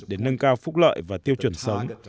để nâng cao phúc lợi và tiêu chuẩn sống